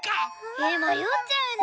えまよっちゃうね。